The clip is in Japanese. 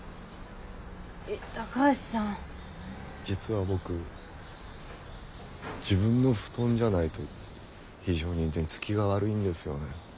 実は僕自分の布団じゃないと非常に寝つきが悪いんですよね。